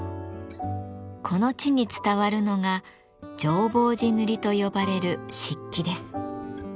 この地に伝わるのが浄法寺塗と呼ばれる漆器です。